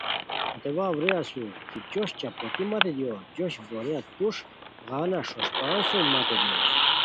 ہتے واؤ رے اسور کیجوش چاپوتی مت دیور، جوش بوریئے توݰ، غانہ ݰوݰپان سوم متے دیور